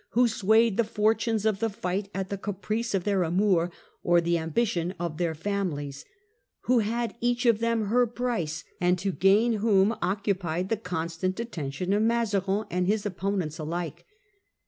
29 who swayed the fortunes of the fight at the caprice of their amours or the ambition of their families, who had each of them her price, and to gain whom occupied the con stant attention of Mazarin and his opponents alike.